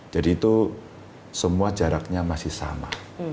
jadi itu semua jaraknya masih sama